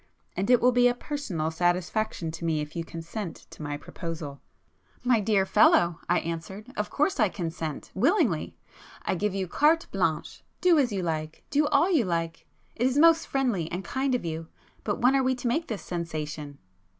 And it will be a personal satisfaction to me if you consent to my proposal." [p 218]"My dear fellow—" I answered—"Of course I consent—willingly! I give you carte blanche,—do as you like; do all you like! It is most friendly and kind of you! But when are we to make this sensation?"